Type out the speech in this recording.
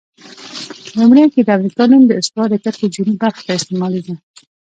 لومړیو کې د امریکا نوم د استوا د کرښې جنوب برخې ته استعمالیده.